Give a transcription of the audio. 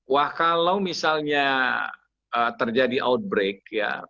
wah kalau misalnya terjadi outbreak ya